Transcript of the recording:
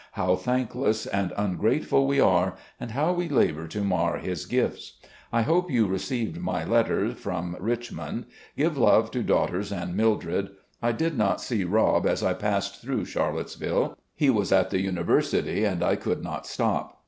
How thankless and ungrateful we are, and how we labour to mar his gifts. I hope you received my letters from Rich mond. Give love to daughter and Mildred. I did not see Rob as I passed through Charlottesville. He was at the University and I could not stop."